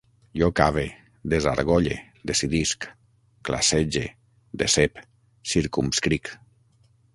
Jo cave, desargolle, decidisc, classege, decep, circumscric